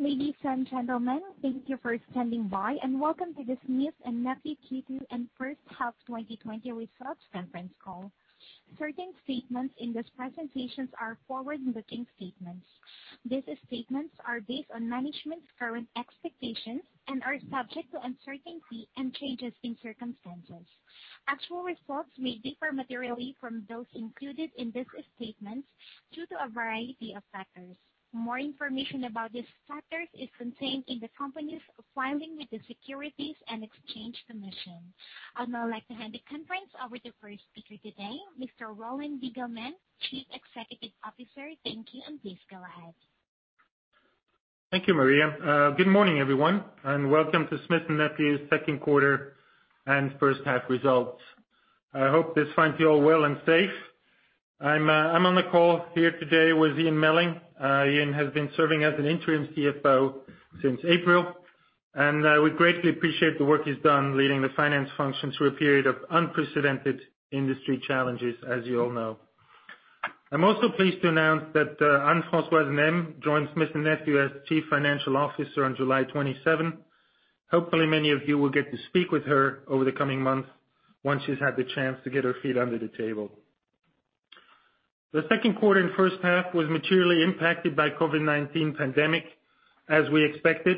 Ladies and gentlemen, thank you for standing by, and welcome to this Smith & Nephew Q2 and first half 2020 Results Conference call. Certain statements in these presentations are forward-looking statements. These statements are based on management's current expectations and are subject to uncertainty and changes in circumstances. Actual results may differ materially from those included in these statements due to a variety of factors. More information about these factors is contained in the company's filing with the Securities and Exchange Commission. I'd now like to hand the conference over to the first speaker today, Mr. Roland Diggelmann, Chief Executive Officer. Thank you, and please go ahead. Thank you, Maria. Good morning, everyone, and welcome to Smith & Nephew's Q2 and first half results. I hope this finds you all well and safe. I'm on the call here today with Ian Melling. Ian has been serving as an interim CFO since April, and we greatly appreciate the work he's done leading the finance function through a period of unprecedented industry challenges, as you all know. I'm also pleased to announce that Anne-Françoise Nesmes joined Smith & Nephew as Chief Financial Officer on July 27. Hopefully, many of you will get to speak with her over the coming months once she's had the chance to get her feet under the table. The Q2 and first half was materially impacted by the COVID-19 pandemic, as we expected.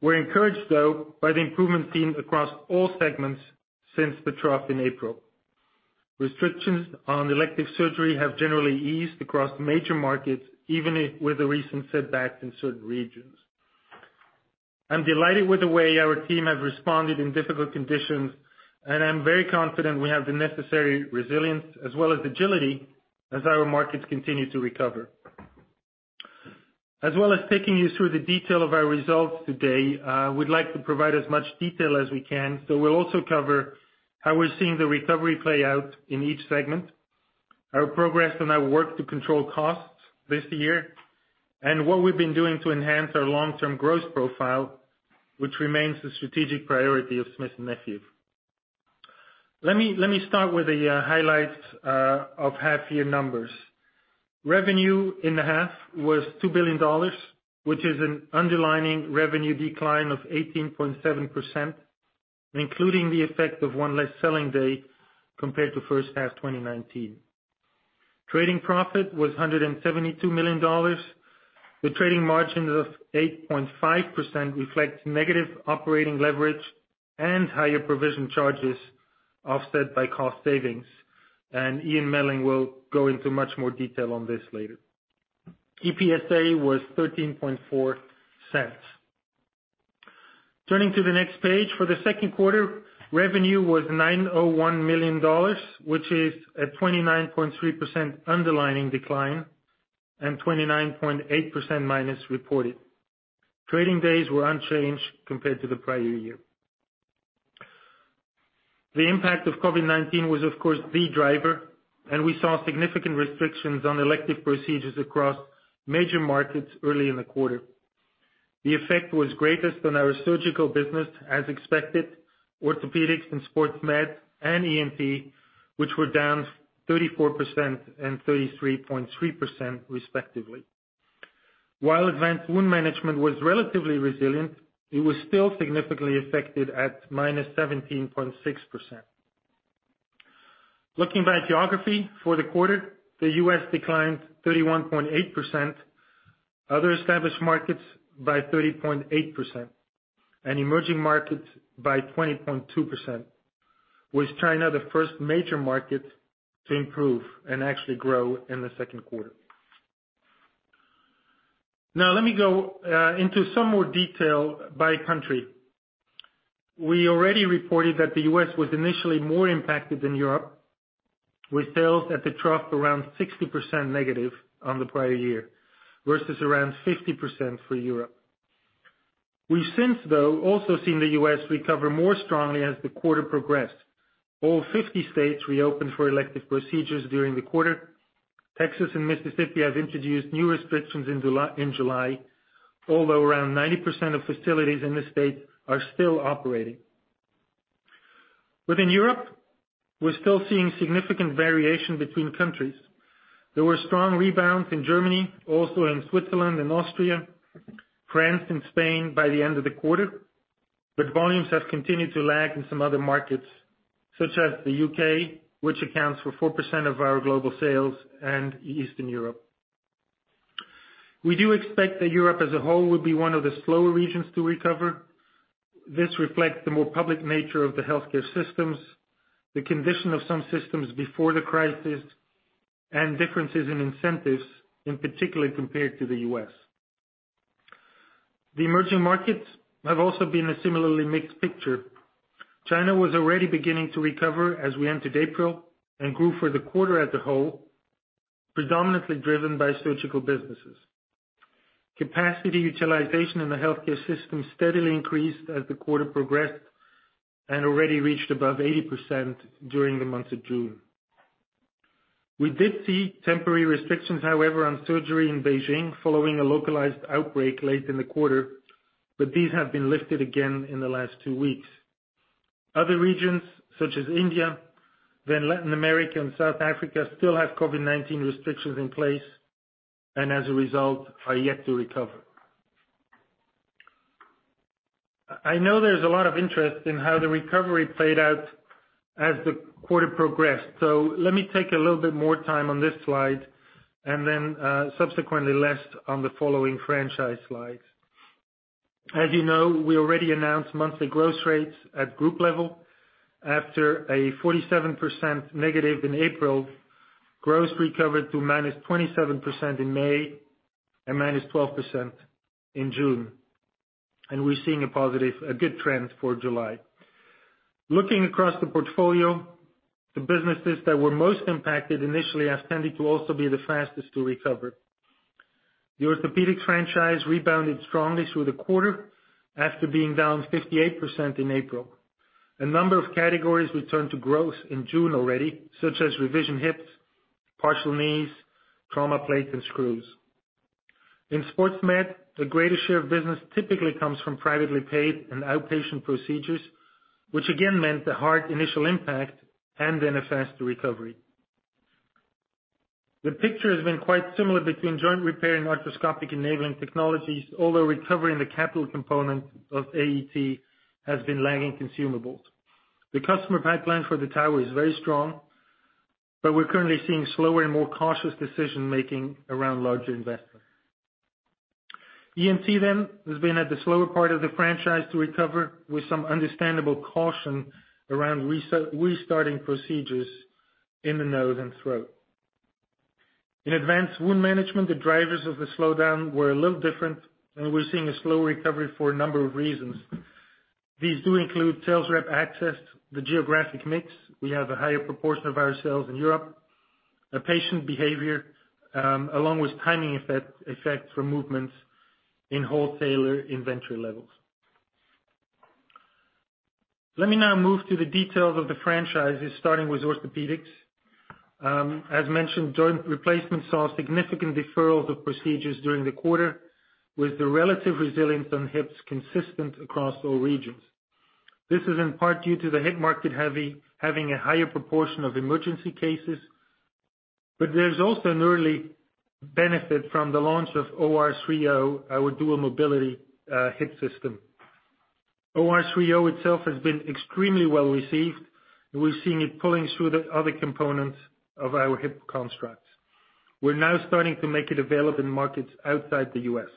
We're encouraged, though, by the improvement seen across all segments since the trough in April. Restrictions on elective surgery have generally eased across major markets, even with the recent setbacks in certain regions. I'm delighted with the way our team has responded in difficult conditions, and I'm very confident we have the necessary resilience as well as agility as our markets continue to recover. As well as taking you through the detail of our results today, we'd like to provide as much detail as we can, so we'll also cover how we're seeing the recovery play out in each segment, our progress in our work to control costs this year, and what we've been doing to enhance our long-term growth profile, which remains the strategic priority of Smith & Nephew. Let me start with the highlights of half-year numbers. Revenue in the half was $2 billion, which is an underlying revenue decline of 18.7%, including the effect of one less selling day compared to first half 2019. Trading profit was $172 million. The trading margins of 8.5% reflect negative operating leverage and higher provision charges, offset by cost savings, and Ian Melling will go into much more detail on this later. EPSA was $0.134. Turning to the next page, for the Q2, revenue was $901 million, which is a 29.3% underlying decline and 29.8% reported. Trading days were unchanged compared to the prior year. The impact of COVID-19 was, of course, the driver, and we saw significant restrictions on elective procedures across major markets early in the quarter. The effect was greatest on our surgical business, as expected, orthopedics and sports med, and ENT, which were down 34% and 33.3%, respectively. While Advanced Wound Management was relatively resilient, it was still significantly affected at minus 17.6%. Looking back, geography for the quarter, the U.S. declined 31.8%, other established markets by 30.8%, and emerging markets by 20.2%, with China the first major market to improve and actually grow in the Q2. Now, let me go into some more detail by country. We already reported that the U.S. was initially more impacted than Europe, with sales at the trough around 60% negative on the prior year versus around 50% for Europe. We've since, though, also seen the U.S. recover more strongly as the quarter progressed. All 50 states reopened for elective procedures during the quarter. Texas and Mississippi have introduced new restrictions in July, although around 90% of facilities in the state are still operating. Within Europe, we're still seeing significant variation between countries. There were strong rebounds in Germany, also in Switzerland and Austria, France, and Spain by the end of the quarter, but volumes have continued to lag in some other markets, such as the U.K., which accounts for 4% of our global sales, and Eastern Europe. We do expect that Europe as a whole will be one of the slower regions to recover. This reflects the more public nature of the healthcare systems, the condition of some systems before the crisis, and differences in incentives, in particular compared to the U.S. The emerging markets have also been a similarly mixed picture. China was already beginning to recover as we entered April and grew for the quarter as a whole, predominantly driven by surgical businesses. Capacity utilization in the healthcare system steadily increased as the quarter progressed and already reached above 80% during the month of June. We did see temporary restrictions, however, on surgery in Beijing following a localized outbreak late in the quarter, but these have been lifted again in the last two weeks. Other regions, such as India, then Latin America, and South Africa, still have COVID-19 restrictions in place and, as a result, are yet to recover. I know there's a lot of interest in how the recovery played out as the quarter progressed, so let me take a little bit more time on this slide and then subsequently less on the following franchise slides. As you know, we already announced monthly growth rates at group level. After a 47% negative in April, growth recovered to minus 27% in May and minus 12% in June, and we're seeing a positive, a good trend for July. Looking across the portfolio, the businesses that were most impacted initially have tended to also be the fastest to recover. The orthopedics franchise rebounded strongly through the quarter after being down 58% in April. A number of categories returned to growth in June already, such as revision hips, partial knees, trauma plates, and screws. In sports med, the greater share of business typically comes from privately paid and outpatient procedures, which again meant a hard initial impact and then a faster recovery. The picture has been quite similar between joint repair and arthroscopic enabling technologies, although recovery in the capital component of AET has been lagging consumables. The customer pipeline for the tower is very strong, but we're currently seeing slower and more cautious decision-making around larger investments. ENT, then, has been at the slower part of the franchise to recover, with some understandable caution around restarting procedures in the nose and throat. In Advanced Wound Management, the drivers of the slowdown were a little different, and we're seeing a slower recovery for a number of reasons. These do include sales rep access, the geographic mix, we have a higher proportion of our sales in Europe, patient behavior, along with timing effects from movements in wholesaler inventory levels. Let me now move to the details of the franchises, starting with Orthopedics. As mentioned, joint replacements saw significant deferrals of procedures during the quarter, with the relative resilience on hips consistent across all regions. This is in part due to the hip market having a higher proportion of emergency cases, but there's also an early benefit from the launch of OR3O, our dual mobility hip system. OR3O itself has been extremely well received, and we're seeing it pulling through the other components of our hip constructs. We're now starting to make it available in markets outside the US.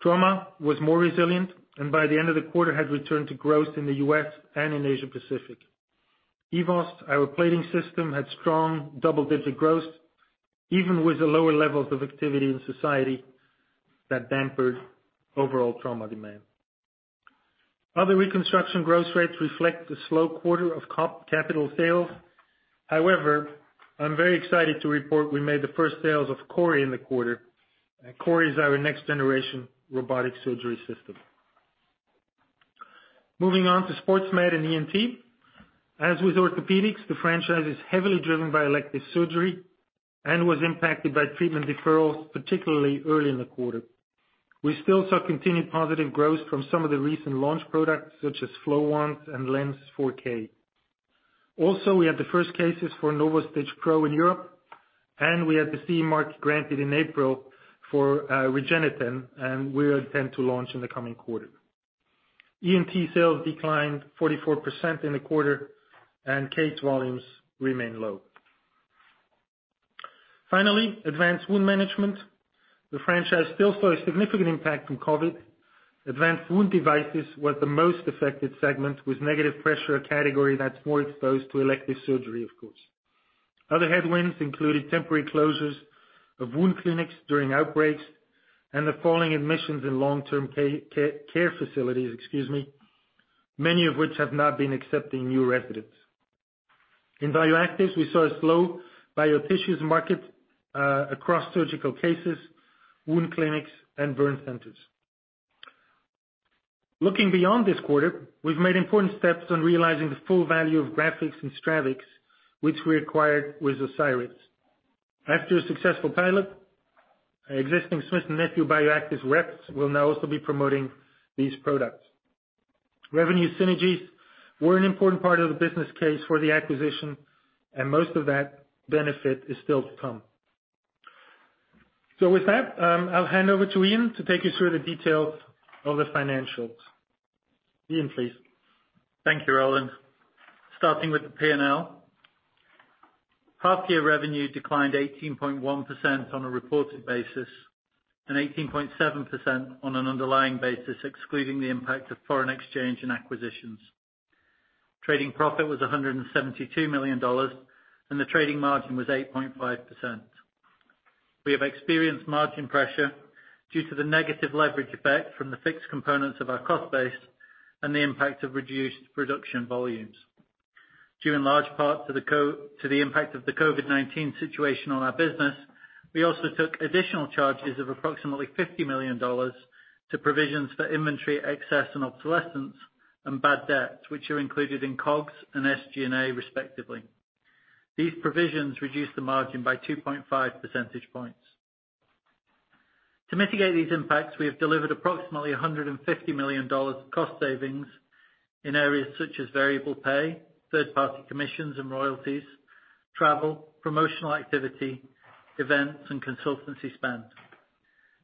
Trauma was more resilient, and by the end of the quarter, had returned to growth in the US and in Asia Pacific. EVOS, our plating system, had strong double-digit growth, even with the lower levels of activity in society that dampened overall trauma demand. Other reconstruction growth rates reflect the slow quarter of capital sales. However, I'm very excited to report we made the first sales of CORI in the quarter, and CORI is our next-generation robotic surgery system. Moving on to sports med and ENT, as with orthopedics, the franchise is heavily driven by elective surgery and was impacted by treatment deferrals, particularly early in the quarter. We still saw continued positive growth from some of the recent launch products, such as FLOW 90 and LENS 4K. Also, we had the first cases for NovoStitch Pro in Europe, and we had the CE mark granted in April for REGENETEN, and we intend to launch in the coming quarter. ENT sales declined 44% in the quarter, and case volumes remain low. Finally, Advanced Wound Management. The franchise still saw a significant impact from COVID. Advanced wound devices were the most affected segment, with negative pressure a category that's more exposed to elective surgery, of course. Other headwinds included temporary closures of wound clinics during outbreaks and the falling admissions in long-term care facilities, excuse me, many of which have not been accepting new residents. In Bioactives, we saw a slow biotissues market across surgical cases, wound clinics, and burn centers. Looking beyond this quarter, we've made important steps on realizing the full value of Grafix and Stravix, which we acquired with Osiris. After a successful pilot, existing Smith & Nephew bioactive reps will now also be promoting these products. Revenue synergies were an important part of the business case for the acquisition, and most of that benefit is still to come. So with that, I'll hand over to Ian to take you through the details of the financials. Ian, please. Thank you, Roland. Starting with the P&L, half-year revenue declined 18.1% on a reported basis and 18.7% on an underlying basis, excluding the impact of foreign exchange and acquisitions. Trading profit was $172 million, and the trading margin was 8.5%. We have experienced margin pressure due to the negative leverage effect from the fixed components of our cost base and the impact of reduced production volumes. Due in large part to the impact of the COVID-19 situation on our business, we also took additional charges of approximately $50 million to provisions for inventory excess and obsolescence and bad debt, which are included in COGS and SG&A, respectively. These provisions reduced the margin by 2.5 percentage points. To mitigate these impacts, we have delivered approximately $150 million cost savings in areas such as variable pay, third-party commissions and royalties, travel, promotional activity, events, and consultancy spend.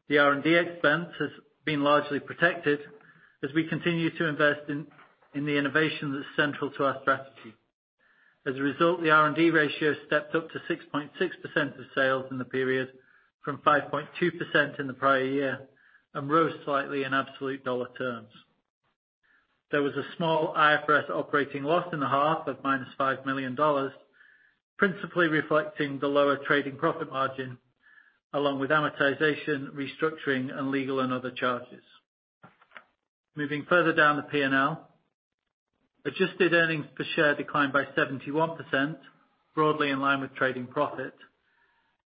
The R&D expense has been largely protected as we continue to invest in the innovation that's central to our strategy. As a result, the R&D ratio stepped up to 6.6% of sales in the period from 5.2% in the prior year and rose slightly in absolute dollar terms. There was a small IFRS operating loss in the half of minus $5 million, principally reflecting the lower trading profit margin, along with amortization, restructuring, and legal and other charges. Moving further down the P&L, adjusted earnings per share declined by 71%, broadly in line with trading profit.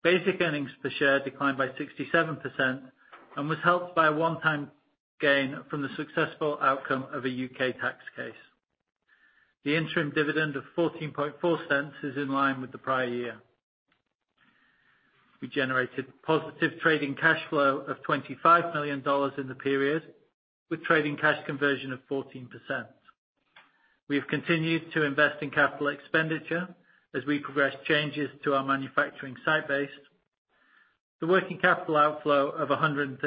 Basic earnings per share declined by 67% and was helped by a one-time gain from the successful outcome of a UK tax case. The interim dividend of $0.144 is in line with the prior year. We generated positive trading cash flow of $25 million in the period, with trading cash conversion of 14%. We have continued to invest in capital expenditure as we progressed changes to our manufacturing site base. The working capital outflow of $137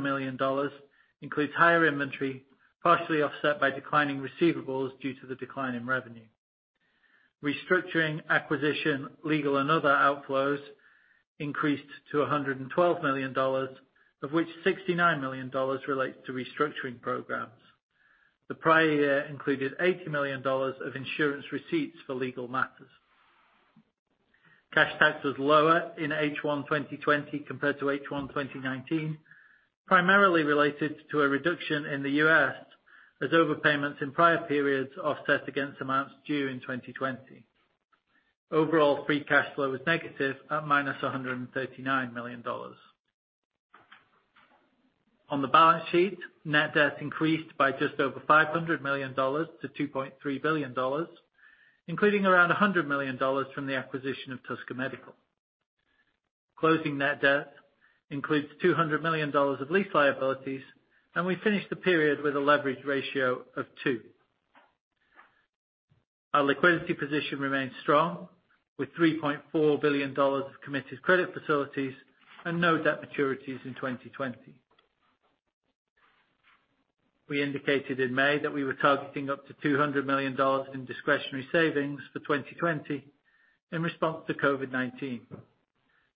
million includes higher inventory, partially offset by declining receivables due to the decline in revenue. Restructuring, acquisition, legal, and other outflows increased to $112 million, of which $69 million relates to restructuring programs. The prior year included $80 million of insurance receipts for legal matters. Cash tax was lower in H1 2020 compared to H1 2019, primarily related to a reduction in the US as overpayments in prior periods offset against amounts due in 2020. Overall, free cash flow was negative at minus $139 million. On the balance sheet, net debt increased by just over $500 million to $2.3 billion, including around $100 million from the acquisition of Tusker Medical. Closing net debt includes $200 million of lease liabilities, and we finished the period with a leverage ratio of 2. Our liquidity position remained strong, with $3.4 billion of committed credit facilities and no debt maturities in 2020. We indicated in May that we were targeting up to $200 million in discretionary savings for 2020 in response to COVID-19.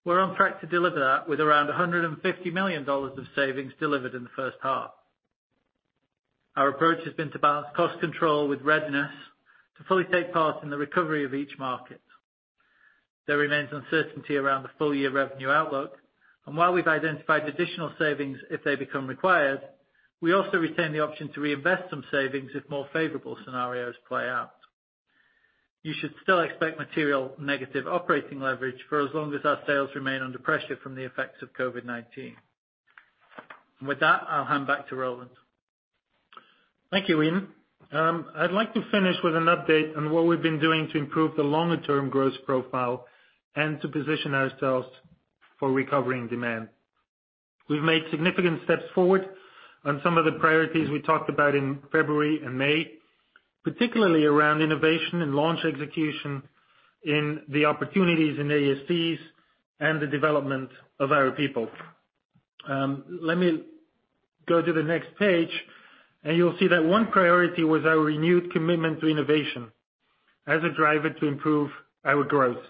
We're on track to deliver that with around $150 million of savings delivered in the first half. Our approach has been to balance cost control with readiness to fully take part in the recovery of each market. There remains uncertainty around the full-year revenue outlook, and while we've identified additional savings if they become required, we also retain the option to reinvest some savings if more favorable scenarios play out. You should still expect material negative operating leverage for as long as our sales remain under pressure from the effects of COVID-19. With that, I'll hand back to Roland. Thank you, Ian. I'd like to finish with an update on what we've been doing to improve the longer-term growth profile and to position ourselves for recovering demand. We've made significant steps forward on some of the priorities we talked about in February and May, particularly around innovation and launch execution in the opportunities in ASCs and the development of our people. Let me go to the next page, and you'll see that one priority was our renewed commitment to innovation as a driver to improve our growth.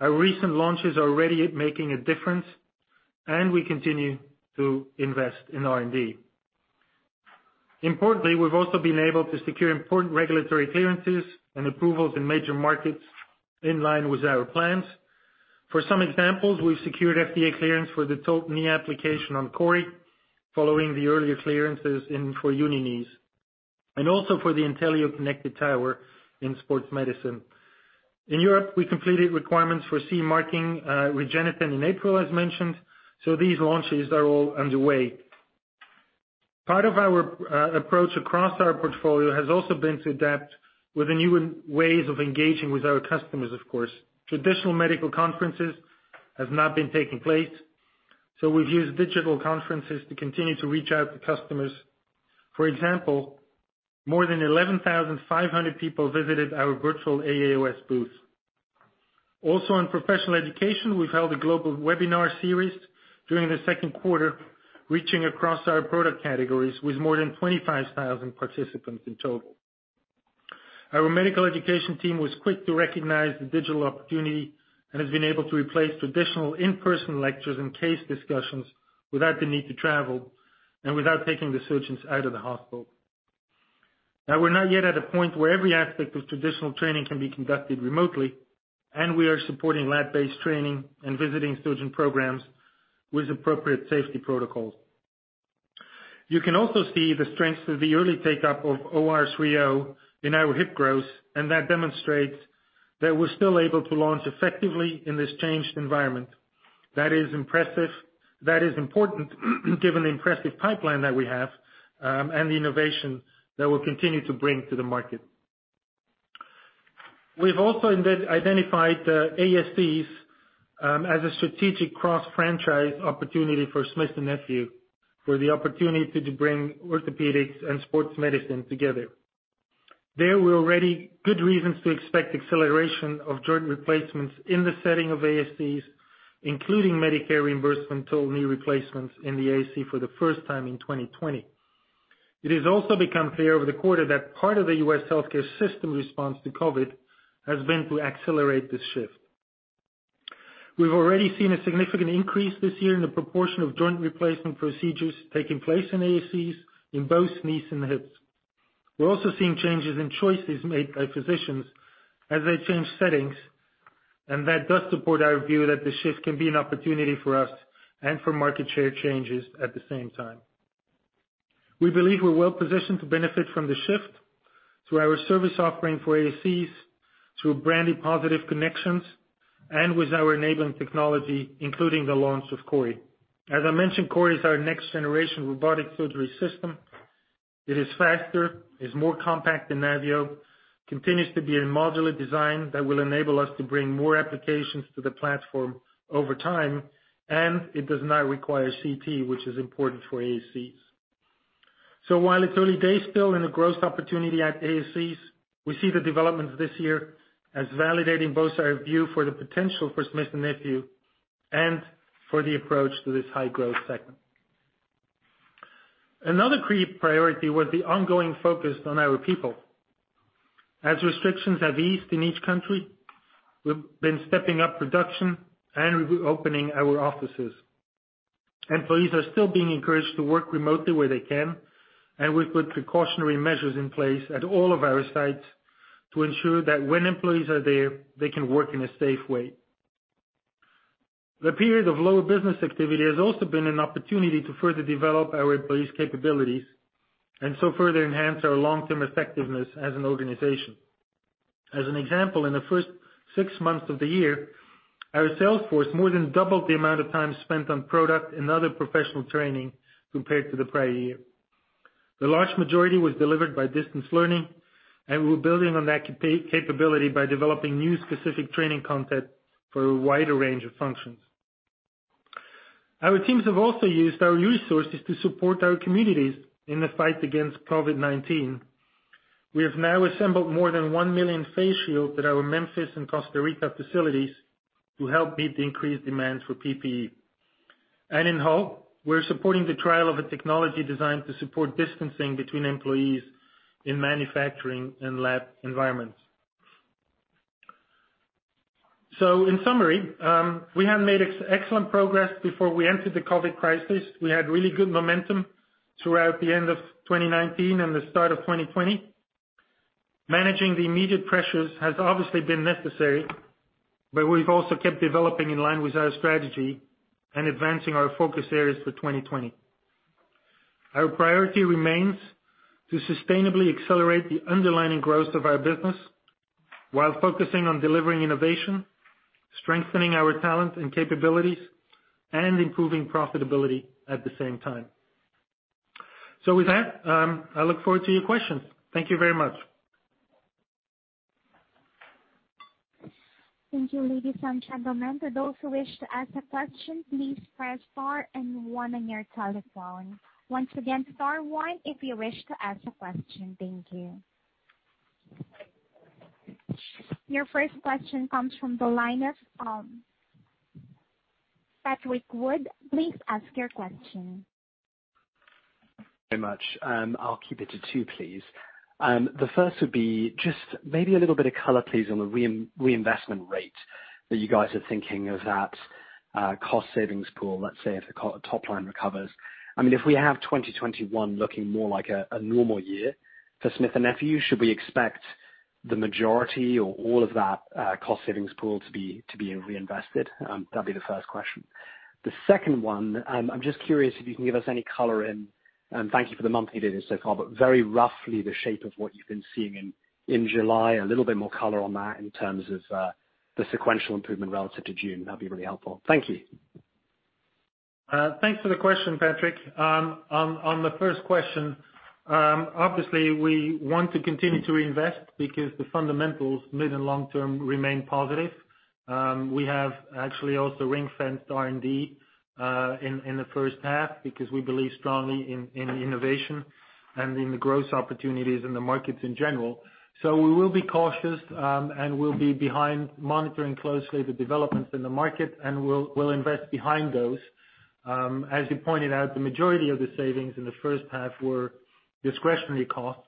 Our recent launches are already making a difference, and we continue to invest in R&D. Importantly, we've also been able to secure important regulatory clearances and approvals in major markets in line with our plans. For some examples, we've secured FDA clearance for the total knee application on CORI, following the earlier clearances for uni knees, and also for the INTELLIO connected tower in sports medicine. In Europe, we completed requirements for CE marking REGENETEN in April, as mentioned, so these launches are all underway. Part of our approach across our portfolio has also been to adapt with the new ways of engaging with our customers, of course. Traditional medical conferences have not been taking place, so we've used digital conferences to continue to reach out to customers. For example, more than 11,500 people visited our virtual AAOS booth. Also, in professional education, we've held a global webinar series during the Q2, reaching across our product categories with more than 25,000 participants in total. Our medical education team was quick to recognize the digital opportunity and has been able to replace traditional in-person lectures and case discussions without the need to travel and without taking the surgeons out of the hospital. Now, we're not yet at a point where every aspect of traditional training can be conducted remotely, and we are supporting lab-based training and visiting surgeon programs with appropriate safety protocols. You can also see the strengths of the early take-up of OR3O in our hip growth, and that demonstrates that we're still able to launch effectively in this changed environment. That is impressive. That is important given the impressive pipeline that we have and the innovation that we'll continue to bring to the market. We've also identified the ASCs as a strategic cross-franchise opportunity for Smith & Nephew, for the opportunity to bring orthopedics and sports medicine together. There were already good reasons to expect acceleration of joint replacements in the setting of ASCs, including Medicare reimbursement total knee replacements in the ASC for the first time in 2020. It has also become clear over the quarter that part of the U.S. healthcare system's response to COVID has been to accelerate this shift. We've already seen a significant increase this year in the proportion of joint replacement procedures taking place in ASCs in both knees and hips. We're also seeing changes in choices made by physicians as they change settings, and that does support our view that the shift can be an opportunity for us and for market share changes at the same time. We believe we're well positioned to benefit from the shift through our service offering for ASCs, through branded Positive Connections, and with our enabling technology, including the launch of CORI. As I mentioned, CORI is our next-generation robotic surgery system. It is faster, is more compact than NAVIO, continues to be a modular design that will enable us to bring more applications to the platform over time, and it does not require CT, which is important for ASCs. So while it's early days still in the growth opportunity at ASCs, we see the developments this year as validating both our view for the potential for Smith & Nephew and for the approach to this high-growth segment. Another key priority was the ongoing focus on our people. As restrictions have eased in each country, we've been stepping up production and reopening our offices. Employees are still being encouraged to work remotely where they can, and we've put precautionary measures in place at all of our sites to ensure that when employees are there, they can work in a safe way. The period of lower business activity has also been an opportunity to further develop our employees' capabilities and so further enhance our long-term effectiveness as an organization. As an example, in the first six months of the year, our sales force more than doubled the amount of time spent on product and other professional training compared to the prior year. The large majority was delivered by distance learning, and we were building on that capability by developing new specific training content for a wider range of functions. Our teams have also used our resources to support our communities in the fight against COVID-19. We have now assembled more than one million face shields at our Memphis and Costa Rica facilities to help meet the increased demand for PPE, and in Hull, we're supporting the trial of a technology designed to support distancing between employees in manufacturing and lab environments. So in summary, we have made excellent progress before we entered the COVID crisis. We had really good momentum throughout the end of 2019 and the start of 2020. Managing the immediate pressures has obviously been necessary, but we've also kept developing in line with our strategy and advancing our focus areas for 2020. Our priority remains to sustainably accelerate the underlying growth of our business while focusing on delivering innovation, strengthening our talent and capabilities, and improving profitability at the same time. So with that, I look forward to your questions. Thank you very much. Thank you, ladies and gentlemen. For those who wish to ask a question, please press star and one on your telephone. Once again, star one if you wish to ask a question. Thank you. Your first question comes from the line of Patrick Wood. Please ask your question. Thank you very much. I'll keep it to two, please. The first would be just maybe a little bit of color, please, on the reinvestment rate that you guys are thinking of that cost savings pool, let's say, if the top line recovers. I mean, if we have 2021 looking more like a normal year for Smith & Nephew, should we expect the majority or all of that cost savings pool to be reinvested? That'd be the first question. The second one, I'm just curious if you can give us any color on, thank you for the monthly data so far, but very roughly the shape of what you've been seeing in July, a little bit more color on that in terms of the sequential improvement relative to June. That'd be really helpful. Thank you. Thanks for the question, Patrick. On the first question, obviously, we want to continue to reinvest because the fundamentals mid and long term remain positive. We have actually also ring-fenced R&D in the first half because we believe strongly in innovation and in the growth opportunities in the markets in general. So we will be cautious and we'll be monitoring closely the developments in the market, and we'll invest behind those. As you pointed out, the majority of the savings in the first half were discretionary costs.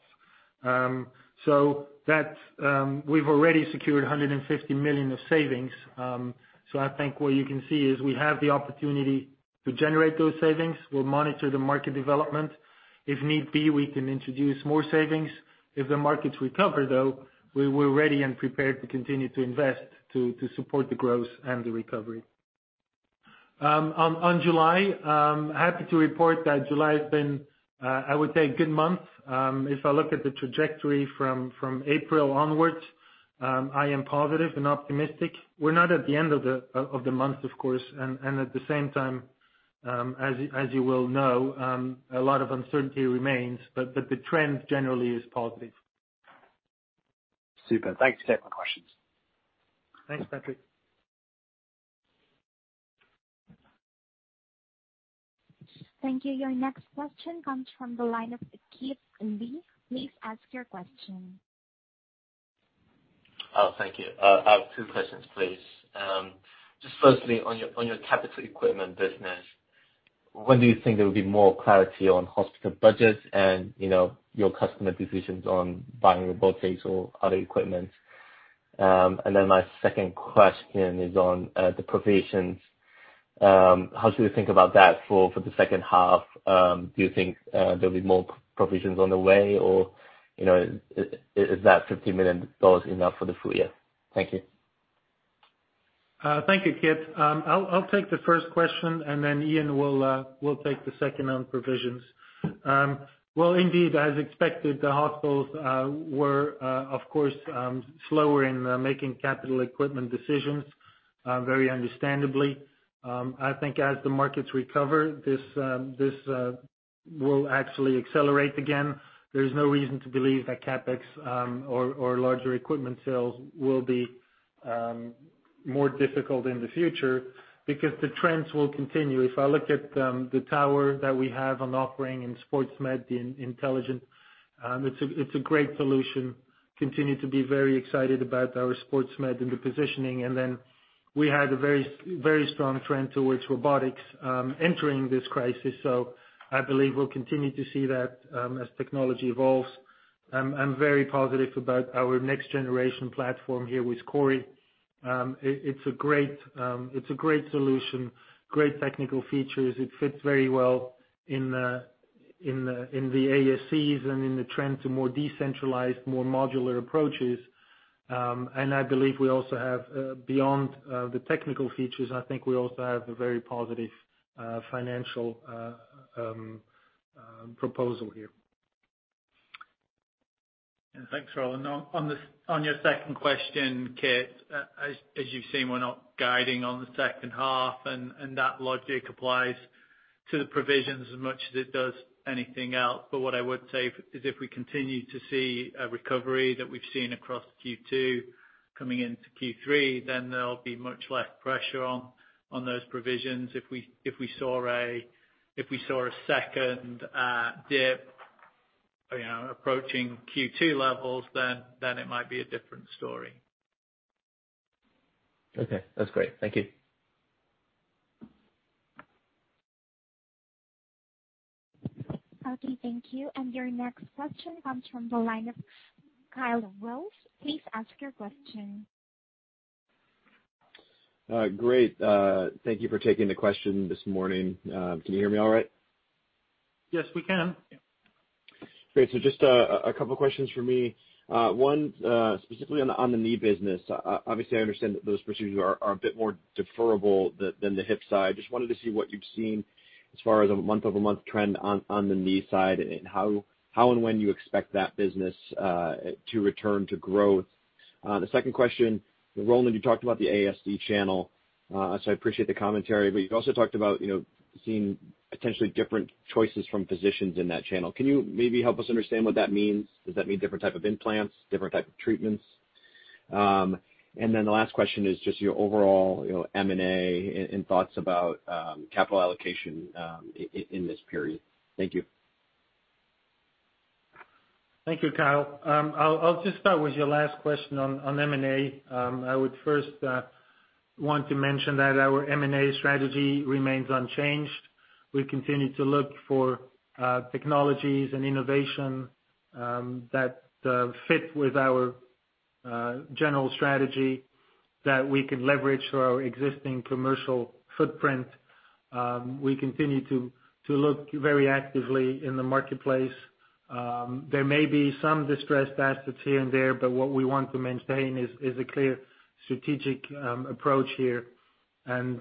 So we've already secured $150 million of savings. So I think what you can see is we have the opportunity to generate those savings. We'll monitor the market development. If need be, we can introduce more savings. If the markets recover, though, we're ready and prepared to continue to invest to support the growth and the recovery. On July, happy to report that July has been, I would say, a good month. If I look at the trajectory from April onwards, I am positive and optimistic. We're not at the end of the month, of course, and at the same time, as you will know, a lot of uncertainty remains, but the trend generally is positive. Super. Thanks for taking my questions. Thanks, Patrick. Thank you. Your next question comes from the line of Kit Lee. Please ask your question. Oh, thank you. I have two questions, please. Just firstly, on your capital equipment business, when do you think there will be more clarity on hospital budgets and your customer decisions on buying robotics or other equipment? And then my second question is on the provisions. How should we think about that for the second half? Do you think there'll be more provisions on the way, or is that $50 million enough for the full year? Thank you. Thank you, Kit. I'll take the first question, and then Ian will take the second on provisions. Indeed, as expected, the hospitals were, of course, slower in making capital equipment decisions, very understandably. I think as the markets recover, this will actually accelerate again. There is no reason to believe that CapEx or larger equipment sales will be more difficult in the future because the trends will continue. If I look at the tower that we have on offering in sports med in INTELLIO, it's a great solution. Continue to be very excited about our sports med in the positioning. Then we had a very strong trend towards robotics entering this crisis. I believe we'll continue to see that as technology evolves. I'm very positive about our next-generation platform here with CORI. It's a great solution, great technical features. It fits very well in the ASCs and in the trend to more decentralized, more modular approaches. And I believe we also have, beyond the technical features, I think we also have a very positive financial proposal here. Thanks, Roland. On your second question, Kit, as you've seen, we're not guiding on the second half, and that logic applies to the provisions as much as it does anything else. But what I would say is if we continue to see a recovery that we've seen across Q2 coming into Q3, then there'll be much less pressure on those provisions. If we saw a second dip approaching Q2 levels, then it might be a different story. Okay. That's great. Thank you. Okay. Thank you. And your next question comes from the line of Kyle Rose. Please ask your question. Great. Thank you for taking the question this morning. Can you hear me all right? Yes, we can. Great. So just a couple of questions for me. One, specifically on the knee business. Obviously, I understand that those procedures are a bit more deferrable than the hip side. Just wanted to see what you've seen as far as a month-over-month trend on the knee side and how and when you expect that business to return to growth. The second question, Roland, you talked about the ASC channel, so I appreciate the commentary, but you also talked about seeing potentially different choices from physicians in that channel. Can you maybe help us understand what that means? Does that mean different type of implants, different type of treatments? And then the last question is just your overall M&A and thoughts about capital allocation in this period. Thank you. Thank you, Kyle. I'll just start with your last question on M&A. I would first want to mention that our M&A strategy remains unchanged. We continue to look for technologies and innovation that fit with our general strategy that we can leverage through our existing commercial footprint. We continue to look very actively in the marketplace. There may be some distressed assets here and there, but what we want to maintain is a clear strategic approach here and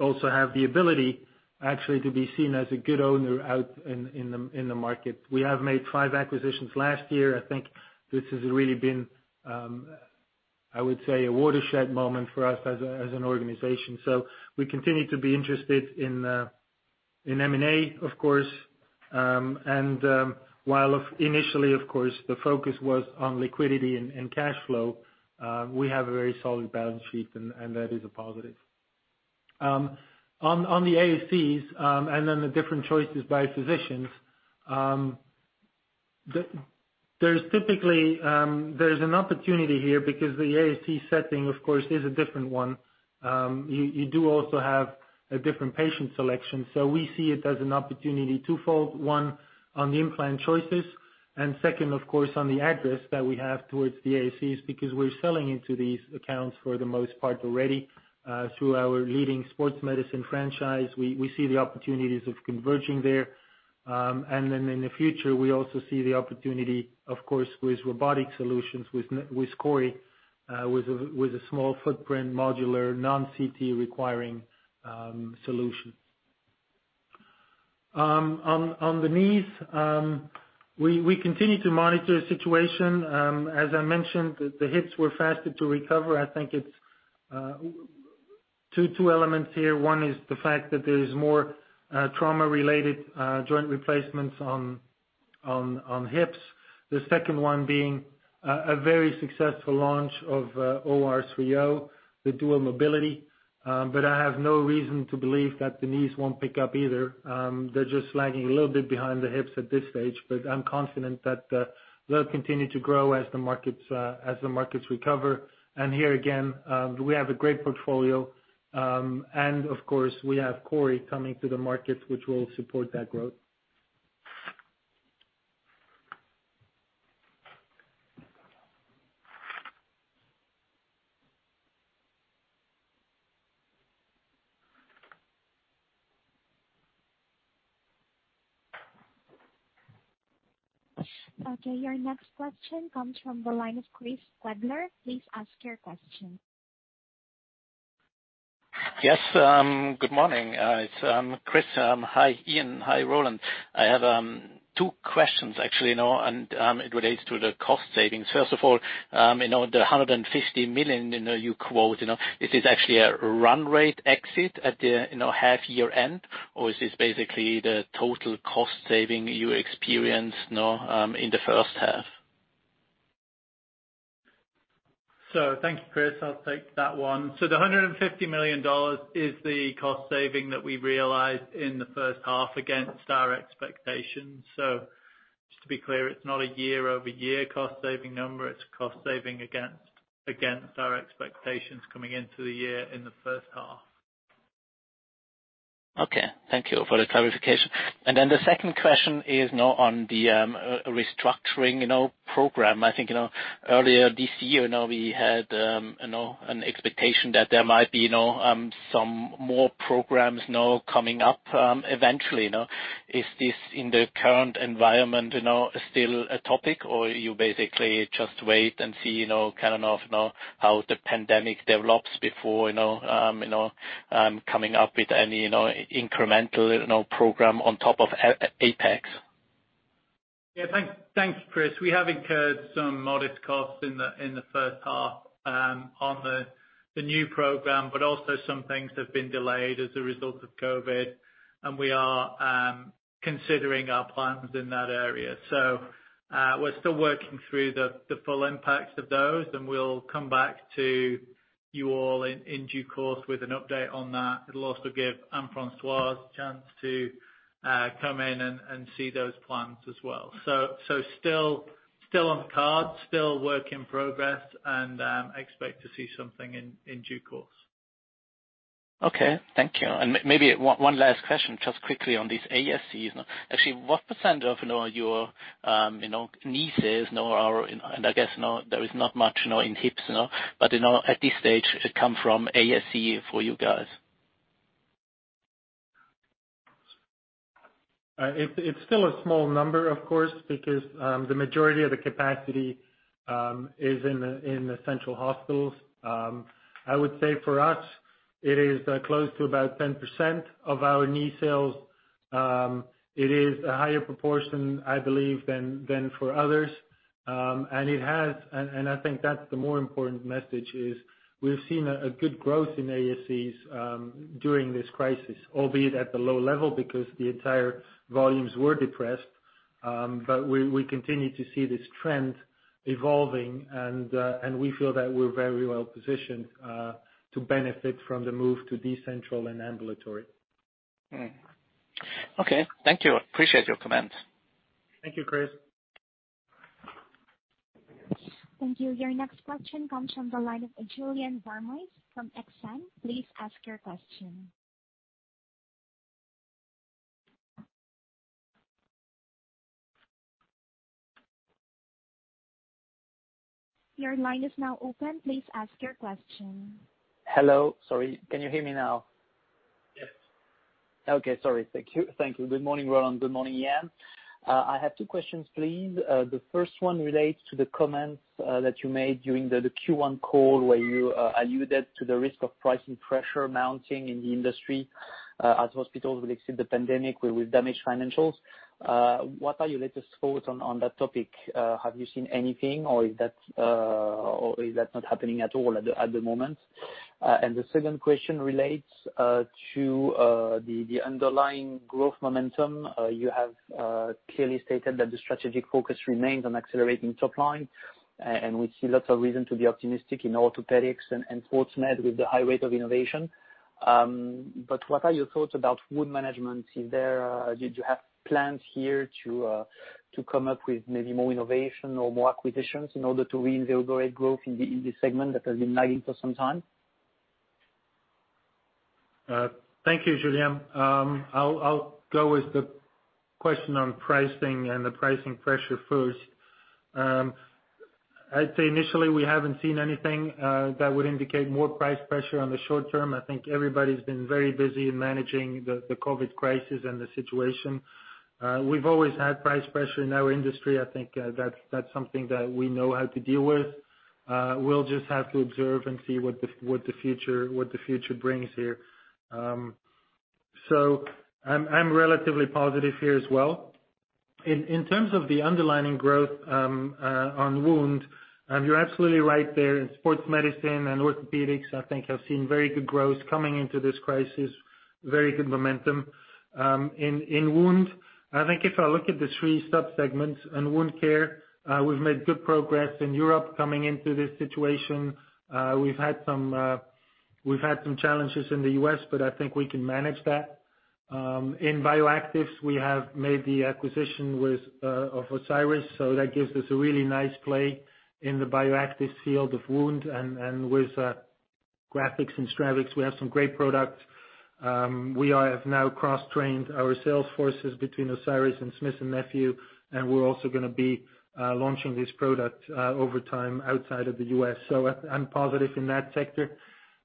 also have the ability, actually, to be seen as a good owner out in the market. We have made five acquisitions last year. I think this has really been, I would say, a watershed moment for us as an organization. So we continue to be interested in M&A, of course. And while initially, of course, the focus was on liquidity and cash flow, we have a very solid balance sheet, and that is a positive. On the ASCs and then the different choices by physicians, there's an opportunity here because the ASC setting, of course, is a different one. You do also have a different patient selection. So we see it as an opportunity twofold: one, on the implant choices, and second, of course, on the access that we have towards the ASCs because we're selling into these accounts for the most part already through our leading sports medicine franchise. We see the opportunities of converging there. And then in the future, we also see the opportunity, of course, with robotic solutions with CORI, with a small footprint, modular, non-CT requiring solution. On the knees, we continue to monitor the situation. As I mentioned, the hips were fastest to recover. I think it's two elements here. One is the fact that there is more trauma-related joint replacements on hips. The second one being a very successful launch of OR3O, the dual mobility. But I have no reason to believe that the knees won't pick up either. They're just lagging a little bit behind the hips at this stage, but I'm confident that they'll continue to grow as the markets recover. And here again, we have a great portfolio. And of course, we have CORI coming to the market, which will support that growth. Okay. Your next question comes from the line of Christoph Gretler. Please ask your question. Yes. Good morning. It's Chris. Hi, Ian. Hi, Roland. I have two questions, actually, and it relates to the cost savings. First of all, the $150 million you quote, is this actually a run rate exit at the half-year end, or is this basically the total cost saving you experienced in the first half? So thank you, Chris. I'll take that one. So the $150 million is the cost saving that we realized in the first half against our expectations. So just to be clear, it's not a year-over-year cost saving number. It's cost saving against our expectations coming into the year in the first half. Okay. Thank you for the clarification. And then the second question is on the restructuring program. I think earlier this year, we had an expectation that there might be some more programs coming up eventually. Is this, in the current environment, still a topic, or you basically just wait and see kind of how the pandemic develops before coming up with any incremental program on top of APEX? Yeah. Thanks, Chris. We have incurred some modest costs in the first half on the new program, but also some things have been delayed as a result of COVID, and we are considering our plans in that area, so we're still working through the full impacts of those, and we'll come back to you all in due course with an update on that. It'll also give Anne-Françoise a chance to come in and see those plans as well, so still on the cards, still work in progress, and expect to see something in due course. Okay. Thank you. And maybe one last question, just quickly on these ASCs. Actually, what % of your knees are—and I guess there is not much in hips—but at this stage, come from ASCs for you guys? It's still a small number, of course, because the majority of the capacity is in the central hospitals. I would say for us, it is close to about 10% of our knee sales. It is a higher proportion, I believe, than for others. And I think that's the more important message: we've seen a good growth in ASCs during this crisis, albeit at the low level because the entire volumes were depressed. But we continue to see this trend evolving, and we feel that we're very well positioned to benefit from the move to decentral and ambulatory. Okay. Thank you. Appreciate your comments. Thank you, Chris. Thank you. Your next question comes from the line of Julien Dormois from Exane BNP Paribas. Please ask your question. Your line is now open. Please ask your question. Hello. Sorry. Can you hear me now? Yes. Okay. Sorry. Thank you. Thank you. Good morning, Roland. Good morning, Ian. I have two questions, please. The first one relates to the comments that you made during the Q1 call where you alluded to the risk of pricing pressure mounting in the industry as hospitals will exit the pandemic with damaged financials. What are your latest thoughts on that topic? Have you seen anything, or is that not happening at all at the moment? And the second question relates to the underlying growth momentum. You have clearly stated that the strategic focus remains on accelerating top line, and we see lots of reason to be optimistic in orthopedics and sports med with the high rate of innovation. But what are your thoughts about wound management? Do you have plans here to come up with maybe more innovation or more acquisitions in order to reinvigorate growth in this segment that has been lagging for some time? Thank you, Julien. I'll go with the question on pricing and the pricing pressure first. I'd say initially, we haven't seen anything that would indicate more price pressure on the short term. I think everybody's been very busy in managing the COVID crisis and the situation. We've always had price pressure in our industry. I think that's something that we know how to deal with. We'll just have to observe and see what the future brings here. So I'm relatively positive here as well. In terms of the underlying growth on wound, you're absolutely right there. In Sports Medicine and Orthopedics, I think have seen very good growth coming into this crisis, very good momentum. In wound, I think if I look at the three subsegments in wound care, we've made good progress in Europe coming into this situation. We've had some challenges in the US, but I think we can manage that. In bioactives, we have made the acquisition of Osiris, so that gives us a really nice play in the bioactive field of wound, and with Grafix and Stravix, we have some great products. We have now cross-trained our sales forces between Osiris and Smith & Nephew, and we're also going to be launching this product over time outside of the US, so I'm positive in that sector.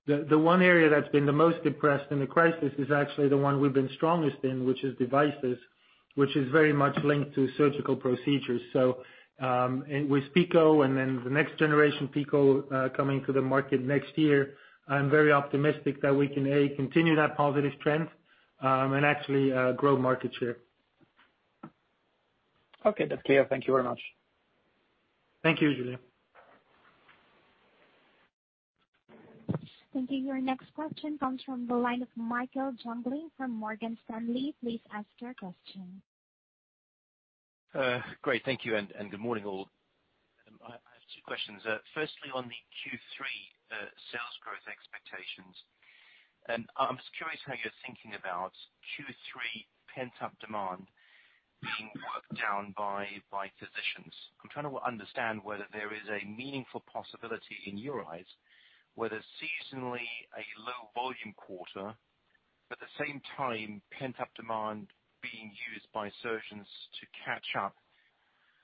The one area that's been the most depressed in the crisis is actually the one we've been strongest in, which is devices, which is very much linked to surgical procedures, so with PICO and then the next generation PICO coming to the market next year, I'm very optimistic that we can continue that positive trend and actually grow market share. Okay. That's clear. Thank you very much. Thank you, Julien. Thank you. Your next question comes from the line of Michael Jungling from Morgan Stanley. Please ask your question. Great. Thank you, and good morning, all. I have two questions. Firstly, on the Q3 sales growth expectations, I'm just curious how you're thinking about Q3 pent-up demand being worked down by physicians. I'm trying to understand whether there is a meaningful possibility in your eyes whether seasonally a low-volume quarter, but at the same time, pent-up demand being used by surgeons to catch up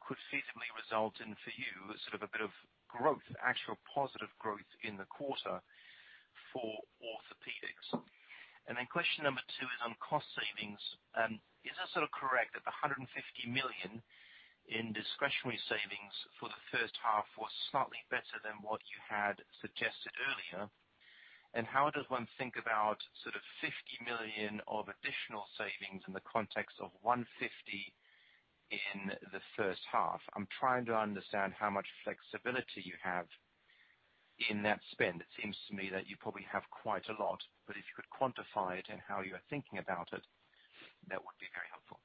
could feasibly result in, for you, sort of a bit of growth, actual positive growth in the quarter for orthopedics. And then, question number two is on cost savings. Is it sort of correct that the $150 million in discretionary savings for the first half was slightly better than what you had suggested earlier? And how does one think about sort of $50 million of additional savings in the context of $150 million in the first half? I'm trying to understand how much flexibility you have in that spend. It seems to me that you probably have quite a lot, but if you could quantify it and how you are thinking about it, that would be very helpful.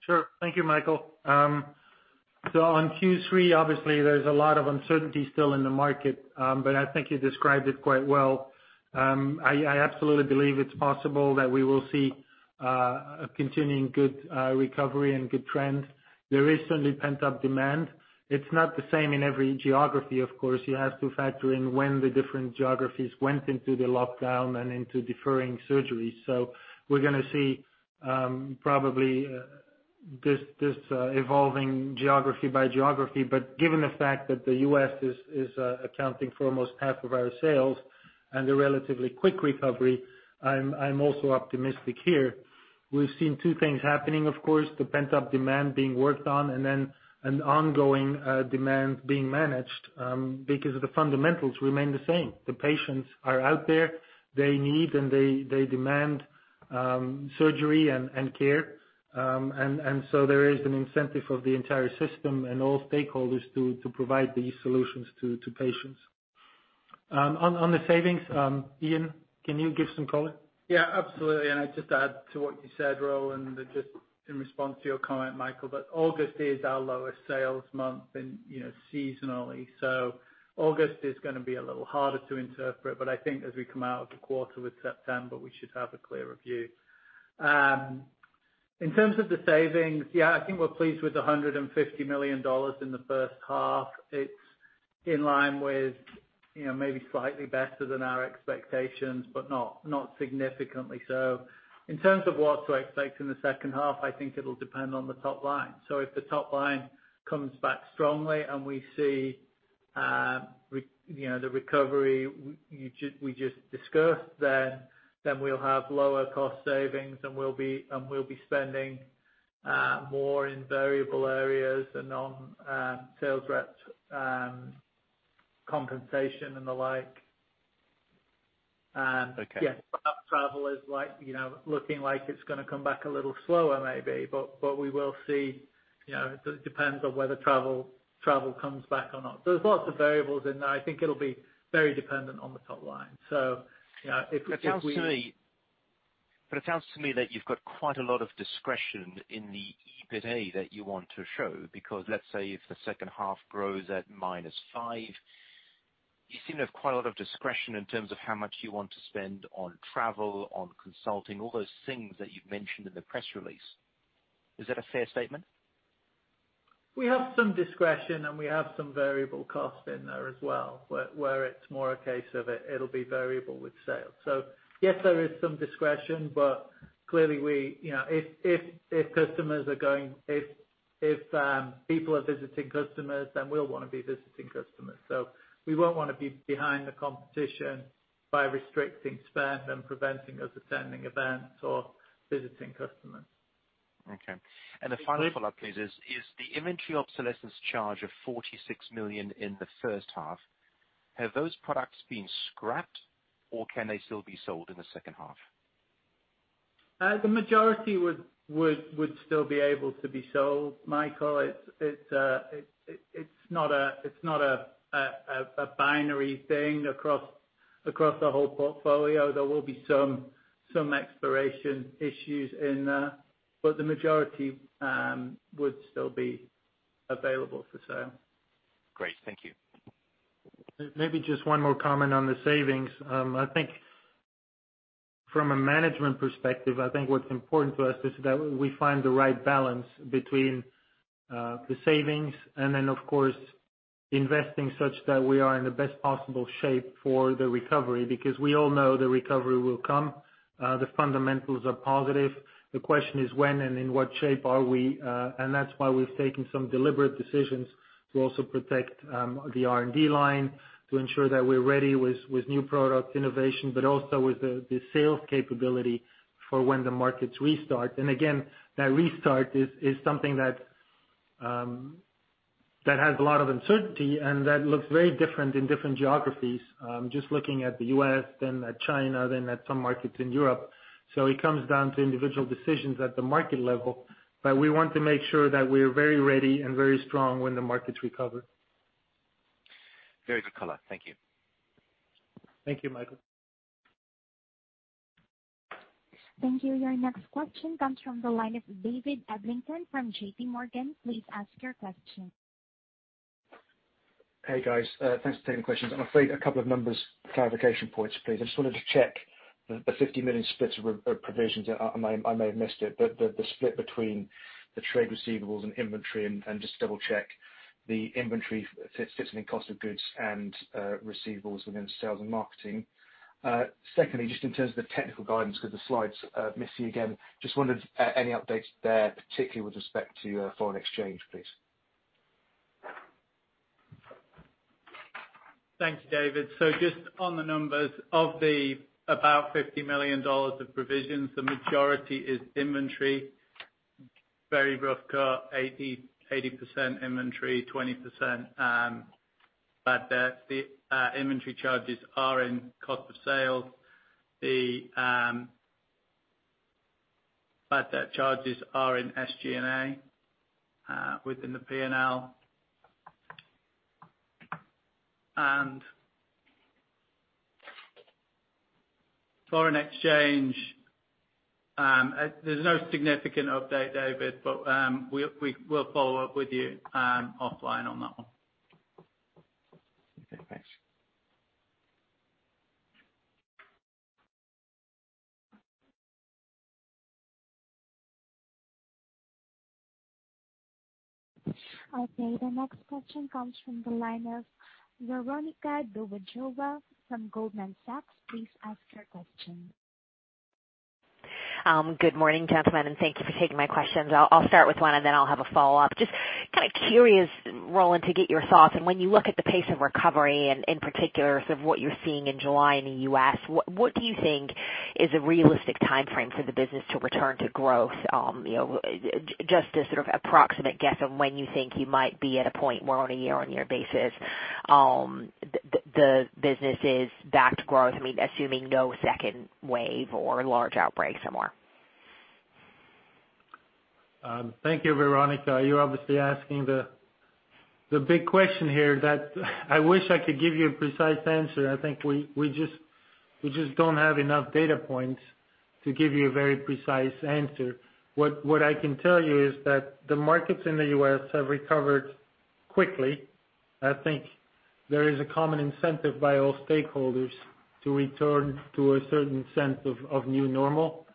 Sure. Thank you, Michael. So on Q3, obviously, there's a lot of uncertainty still in the market, but I think you described it quite well. I absolutely believe it's possible that we will see a continuing good recovery and good trend. There is certainly pent-up demand. It's not the same in every geography, of course. You have to factor in when the different geographies went into the lockdown and into deferring surgeries. So we're going to see probably this evolving geography by geography. But given the fact that the U.S. is accounting for almost half of our sales and a relatively quick recovery, I'm also optimistic here. We've seen two things happening, of course, the pent-up demand being worked on and then an ongoing demand being managed because the fundamentals remain the same. The patients are out there. They need and they demand surgery and care. There is an incentive of the entire system and all stakeholders to provide these solutions to patients. On the savings, Ian, can you give some color? Yeah. Absolutely. I'd just add to what you said, Roland, just in response to your comment, Michael, that August is our lowest sales month seasonally. August is going to be a little harder to interpret, but I think as we come out of the quarter with September, we should have a clearer view. In terms of the savings, yeah, I think we're pleased with $150 million in the first half. It's in line with maybe slightly better than our expectations, but not significantly so. In terms of what to expect in the second half, I think it'll depend on the top line. So if the top line comes back strongly and we see the recovery we just discussed, then we'll have lower cost savings, and we'll be spending more in variable areas and on sales rep compensation and the like. Yeah. Travel is looking like it's going to come back a little slower maybe, but we will see. It depends on whether travel comes back or not. There's lots of variables in there. I think it'll be very dependent on the top line. So if we. But it sounds to me that you've got quite a lot of discretion in the EBITDA that you want to show because let's say if the second half grows at minus five, you seem to have quite a lot of discretion in terms of how much you want to spend on travel, on consulting, all those things that you've mentioned in the press release. Is that a fair statement? We have some discretion, and we have some variable cost in there as well, where it's more a case of it'll be variable with sales. So yes, there is some discretion, but clearly, if people are visiting customers, then we'll want to be visiting customers. So we won't want to be behind the competition by restricting spend and preventing us attending events or visiting customers. Okay. And the final follow-up, please, is the inventory obsolescence charge of $46 million in the first half. Have those products been scrapped, or can they still be sold in the second half? The majority would still be able to be sold. Michael, it's not a binary thing across the whole portfolio. There will be some expiration issues in there, but the majority would still be available for sale. Great. Thank you. Maybe just one more comment on the savings. I think from a management perspective, I think what's important to us is that we find the right balance between the savings and then, of course, investing such that we are in the best possible shape for the recovery because we all know the recovery will come. The fundamentals are positive. The question is when and in what shape are we. And that's why we've taken some deliberate decisions to also protect the R&D line to ensure that we're ready with new product innovation, but also with the sales capability for when the markets restart. And again, that restart is something that has a lot of uncertainty, and that looks very different in different geographies, just looking at the U.S., then at China, then at some markets in Europe. So it comes down to individual decisions at the market level, but we want to make sure that we're very ready and very strong when the markets recover. Very good color. Thank you. Thank you, Michael. Thank you. Your next question comes from the line of David Adlington from JPMorgan. Please ask your question. Hey, guys. Thanks for taking the questions. I'm afraid a couple of numbers, clarification points, please. I just wanted to check the $50 million split of provisions. I may have missed it, but the split between the trade receivables and inventory and just double-check the inventory fits in the cost of goods and receivables within sales and marketing. Secondly, just in terms of the technical guidance because the slides miss you again. Just wondered any updates there, particularly with respect to foreign exchange, please. Thanks, David. So just on the numbers of the about $50 million of provisions, the majority is inventory. Very rough cut, 80% inventory, 20% bad debt. The inventory charges are in cost of sales. The bad debt charges are in SG&A within the P&L. And foreign exchange, there's no significant update, David, but we'll follow up with you offline on that one. Okay. Thanks. Okay. The next question comes from the line of Veronika Dubajova from Goldman Sachs. Please ask your question. Good morning, gentlemen, and thank you for taking my questions. I'll start with one, and then I'll have a follow-up. Just kind of curious, Roland, to get your thoughts and when you look at the pace of recovery in particular, sort of what you're seeing in July in the U.S., what do you think is a realistic timeframe for the business to return to growth? Just a sort of approximate guess of when you think you might be at a point where on a year-on-year basis the business is back to growth, I mean, assuming no second wave or large outbreak somewhere. Thank you, Veronica. You're obviously asking the big question here that I wish I could give you a precise answer. I think we just don't have enough data points to give you a very precise answer. What I can tell you is that the markets in the U.S. have recovered quickly. I think there is a common incentive by all stakeholders to return to a certain sense of new normal.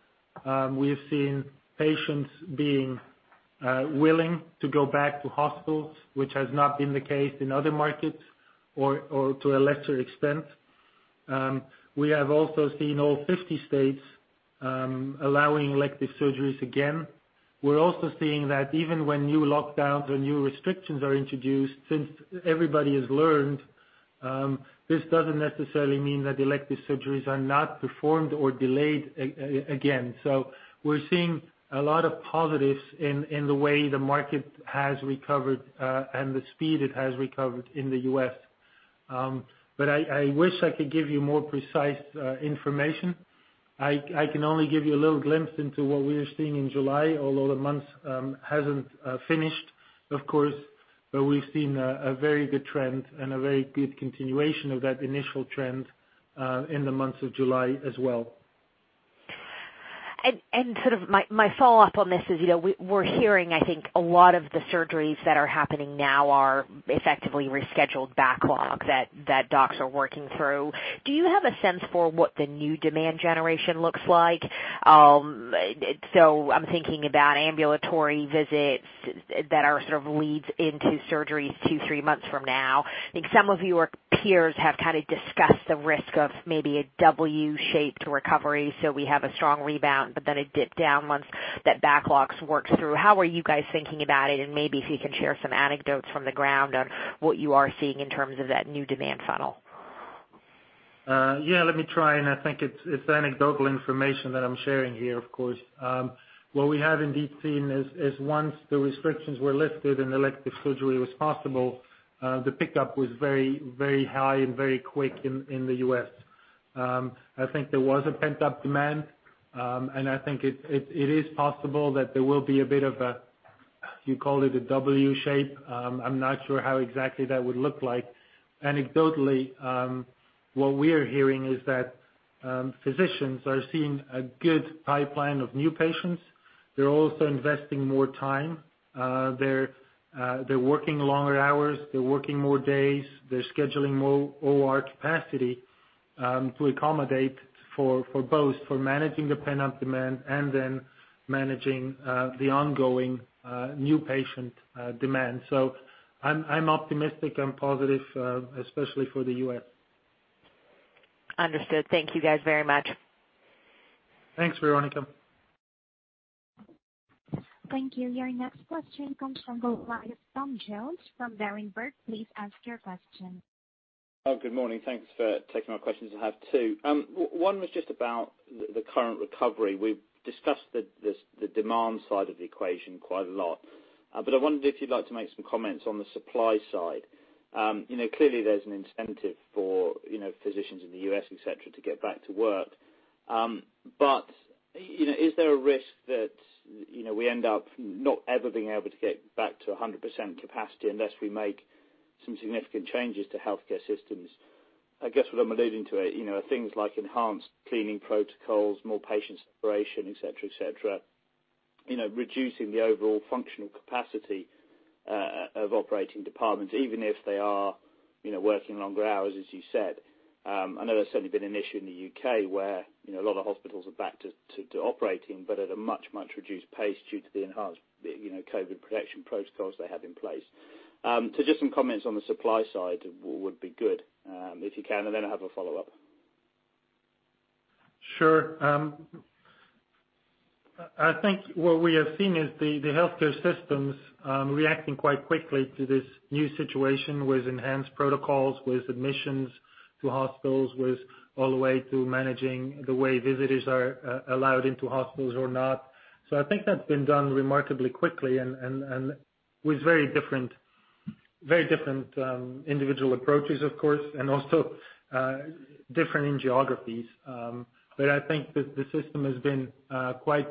We have seen patients being willing to go back to hospitals, which has not been the case in other markets, or to a lesser extent. We have also seen all 50 states allowing elective surgeries again. We're also seeing that even when new lockdowns or new restrictions are introduced, since everybody has learned, this doesn't necessarily mean that elective surgeries are not performed or delayed again. So we're seeing a lot of positives in the way the market has recovered and the speed it has recovered in the U.S. But I wish I could give you more precise information. I can only give you a little glimpse into what we are seeing in July, although the month hasn't finished, of course, but we've seen a very good trend and a very good continuation of that initial trend in the months of July as well. And sort of my follow-up on this is we're hearing, I think, a lot of the surgeries that are happening now are effectively rescheduled backlog that docs are working through. Do you have a sense for what the new demand generation looks like? So I'm thinking about ambulatory visits that are sort of leads into surgeries two, three months from now. I think some of your peers have kind of discussed the risk of maybe a W-shaped recovery, so we have a strong rebound, but then a dip down once that backlog works through. How are you guys thinking about it? And maybe if you can share some anecdotes from the ground on what you are seeing in terms of that new demand funnel. Yeah. Let me try. And I think it's anecdotal information that I'm sharing here, of course. What we have indeed seen is once the restrictions were lifted and elective surgery was possible, the pickup was very, very high and very quick in the U.S. I think there was a pent-up demand, and I think it is possible that there will be a bit of a, you called it a W-shape. I'm not sure how exactly that would look like. Anecdotally, what we are hearing is that physicians are seeing a good pipeline of new patients. They're also investing more time. They're working longer hours. They're working more days. They're scheduling more OR capacity to accommodate for both, for managing the pent-up demand and then managing the ongoing new patient demand. So I'm optimistic and positive, especially for the U.S. Understood. Thank you guys very much. Thanks, Veronica. Thank you. Your next question comes from the line of Tom Jones from Berenberg. Please ask your question. Good morning. Thanks for taking my questions. I have two. One was just about the current recovery. We've discussed the demand side of the equation quite a lot, but I wondered if you'd like to make some comments on the supply side. Clearly, there's an incentive for physicians in the U.S., etc., to get back to work. But is there a risk that we end up not ever being able to get back to 100% capacity unless we make some significant changes to healthcare systems? I guess what I'm alluding to are things like enhanced cleaning protocols, more patient separation, etc., etc., reducing the overall functional capacity of operating departments, even if they are working longer hours, as you said. I know there's certainly been an issue in the UK where a lot of hospitals are back to operating, but at a much, much reduced pace due to the enhanced COVID protection protocols they have in place, so just some comments on the supply side would be good if you can, and then I have a follow-up. Sure. I think what we have seen is the healthcare systems reacting quite quickly to this new situation with enhanced protocols, with admissions to hospitals, with all the way to managing the way visitors are allowed into hospitals or not. So I think that's been done remarkably quickly and with very different individual approaches, of course, and also different in geographies. But I think that the system has been quite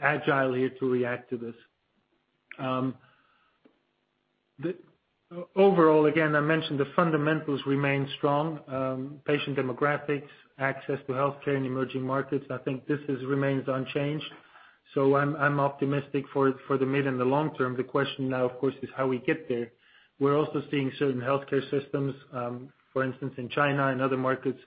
agile here to react to this. Overall, again, I mentioned the fundamentals remain strong: patient demographics, access to healthcare in emerging markets. I think this remains unchanged. So I'm optimistic for the mid and the long term. The question now, of course, is how we get there. We're also seeing certain healthcare systems, for instance, in China and other markets,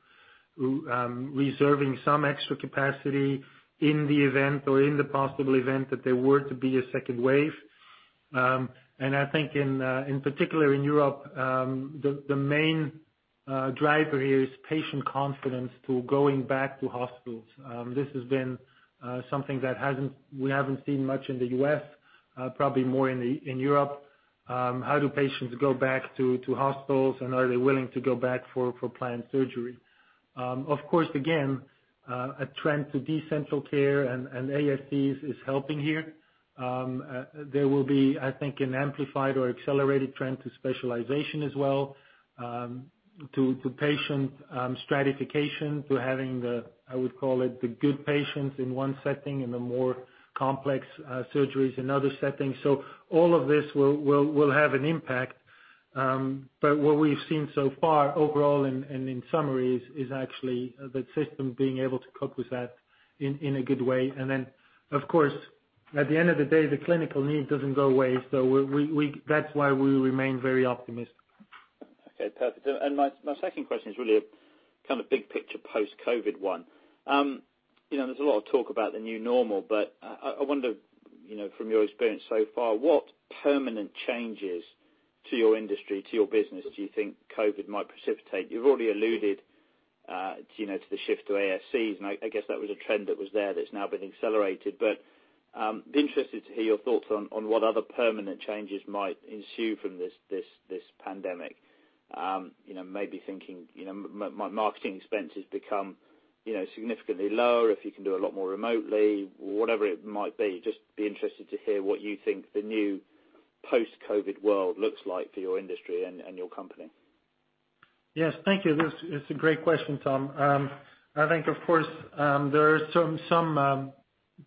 reserving some extra capacity in the event or in the possible event that there were to be a second wave. I think, in particular, in Europe, the main driver here is patient confidence to going back to hospitals. This has been something that we haven't seen much in the U.S., probably more in Europe. How do patients go back to hospitals, and are they willing to go back for planned surgery? Of course, again, a trend to decentral care and ASCs is helping here. There will be, I think, an amplified or accelerated trend to specialization as well, to patient stratification, to having the, I would call it, the good patients in one setting and the more complex surgeries in other settings. So all of this will have an impact. But what we've seen so far, overall and in summary, is actually the system being able to cope with that in a good way. And then, of course, at the end of the day, the clinical need doesn't go away. So that's why we remain very optimistic. Okay. Perfect. And my second question is really a kind of big picture post-COVID one. There's a lot of talk about the new normal, but I wonder, from your experience so far, what permanent changes to your industry, to your business, do you think COVID might precipitate? You've already alluded to the shift to ASCs, and I guess that was a trend that was there that's now been accelerated. But I'd be interested to hear your thoughts on what other permanent changes might ensue from this pandemic. Maybe thinking marketing expenses become significantly lower if you can do a lot more remotely, whatever it might be. Just be interested to hear what you think the new post-COVID world looks like for your industry and your company. Yes. Thank you. That's a great question, Tom. I think, of course, there are some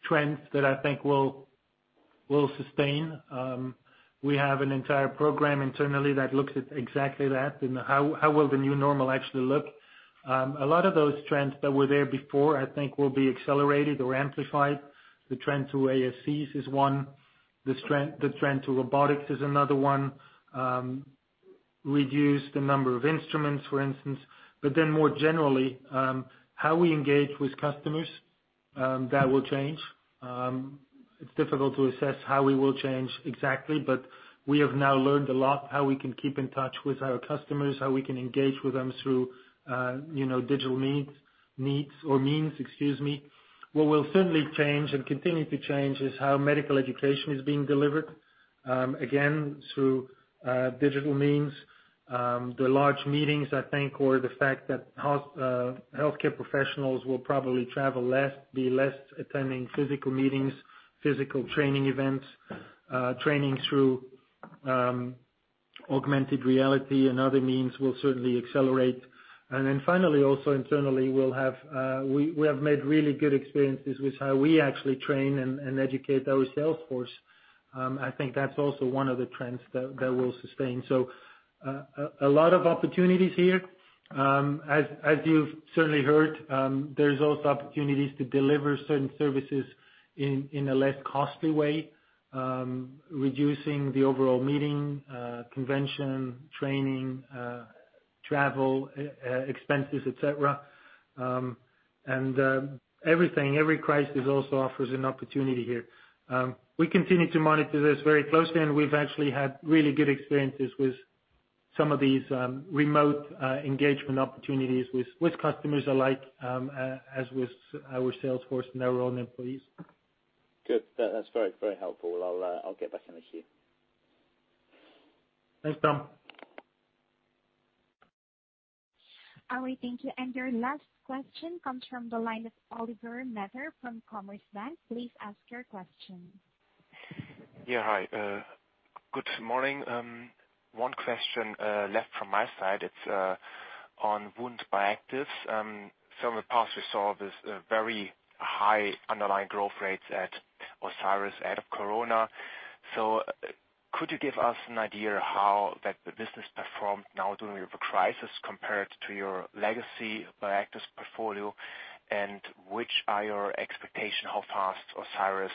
trends that I think will sustain. We have an entire program internally that looks at exactly that and how will the new normal actually look. A lot of those trends that were there before, I think, will be accelerated or amplified. The trend to ASCs is one. The trend to robotics is another one. Reduce the number of instruments, for instance. But then more generally, how we engage with customers, that will change. It's difficult to assess how we will change exactly, but we have now learned a lot how we can keep in touch with our customers, how we can engage with them through digital means or means, excuse me. What will certainly change and continue to change is how medical education is being delivered, again, through digital means. The large meetings, I think, or the fact that healthcare professionals will probably travel less, be less attending physical meetings, physical training events. Training through augmented reality and other means will certainly accelerate, and then finally, also internally, we have made really good experiences with how we actually train and educate our sales force. I think that's also one of the trends that will sustain, so a lot of opportunities here. As you've certainly heard, there's also opportunities to deliver certain services in a less costly way, reducing the overall meeting, convention, training, travel expenses, etc., and everything, every crisis also offers an opportunity here. We continue to monitor this very closely, and we've actually had really good experiences with some of these remote engagement opportunities with customers alike, as with our sales force and our own employees. Good. That's very, very helpful. I'll get back in the queue. Thanks, Tom. All right. Thank you. And your last question comes from the line of Oliver Metzger from Commerzbank. Please ask your question. Yeah. Hi. Good morning. One question left from my side. It's on wound bioactives. From the past, we saw this very high underlying growth rate at Osiris out of COVID-19. So could you give us an idea of how that business performed now during the crisis compared to your legacy bioactives portfolio, and which are your expectations how fast Osiris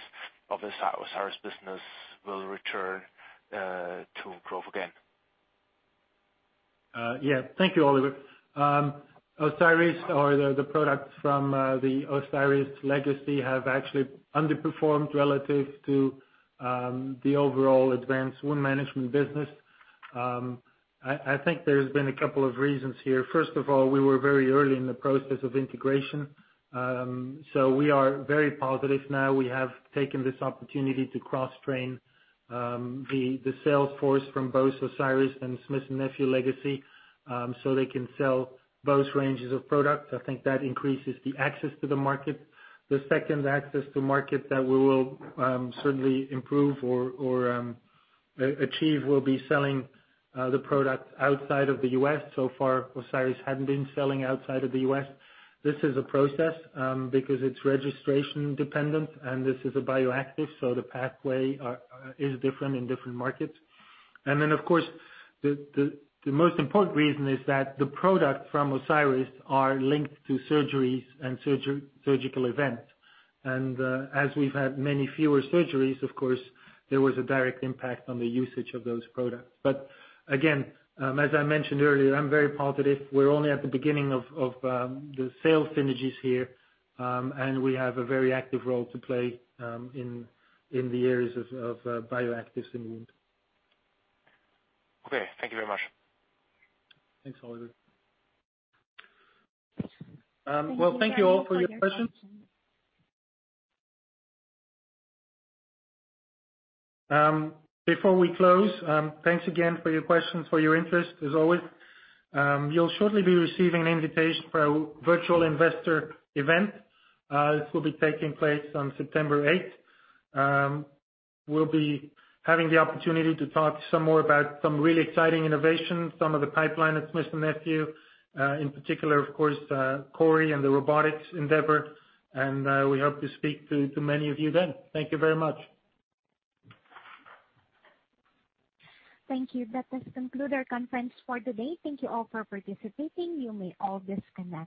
or the Osiris business will return to growth again? Yeah. Thank you, Oliver. Osiris or the products from the Osiris legacy have actually underperformed relative to the overall Advanced Wound Management business. I think there's been a couple of reasons here. First of all, we were very early in the process of integration. So we are very positive now. We have taken this opportunity to cross-train the sales force from both Osiris and Smith & Nephew legacy so they can sell both ranges of products. I think that increases the access to the market. The second access to market that we will certainly improve or achieve will be selling the product outside of the US. So far, Osiris hadn't been selling outside of the US. This is a process because it's registration dependent, and this is a bioactive, so the pathway is different in different markets. And then, of course, the most important reason is that the products from Osiris are linked to surgeries and surgical events. And as we've had many fewer surgeries, of course, there was a direct impact on the usage of those products. But again, as I mentioned earlier, I'm very positive. We're only at the beginning of the sales synergies here, and we have a very active role to play in the areas of bioactives and wound. Okay. Thank you very much. Thanks, Oliver. Well, thank you all for your questions. Before we close, thanks again for your questions, for your interest, as always. You'll shortly be receiving an invitation for a virtual investor event. This will be taking place on September 8th. We'll be having the opportunity to talk some more about some really exciting innovations, some of the pipeline at Smith & Nephew, in particular, of course, CORI and the robotics endeavor. And we hope to speak to many of you then. Thank you very much. Thank you. That does conclude our conference for today. Thank you all for participating. You may all disconnect.